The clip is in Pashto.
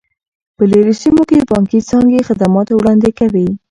په لیرې سیمو کې بانکي څانګې خدمات وړاندې کوي.